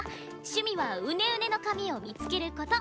趣味はうねうねの髪を見付けること。